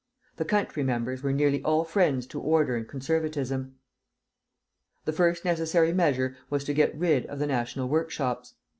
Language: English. The country members were nearly all friends to order and conservatism. The first necessary measure was to get rid of the national workshops.